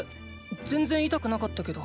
全然痛くなかったけど。